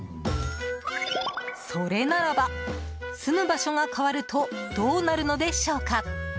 それならば、住む場所が変わるとどうなるのでしょうか？